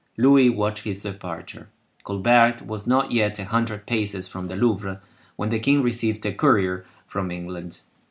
Louis watched his departure. Colbert was not yet a hundred paces from the Louvre when the king received a courier from England.